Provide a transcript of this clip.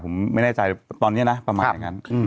ผมไม่แน่ใจตอนนี้นะประมาณอย่างนั้น